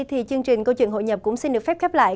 thì chương trình câu chuyện hội nhập cũng xin được phép khép lại